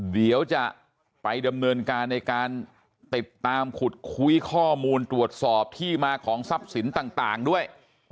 เดี๋ยวจะไปดำเนินการในการติดตามขุดคุยข้อมูลตรวจสอบที่มาของทรัพย์สินต่างด้วย